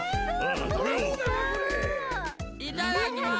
いただきます！